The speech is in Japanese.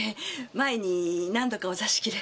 前に何度かお座敷で。